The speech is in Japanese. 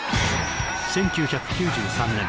１９９３年